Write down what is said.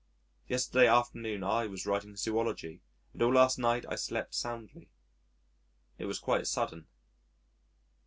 ... Yesterday afternoon I was writing Zoology and all last night I slept soundly.... It was quite sudden.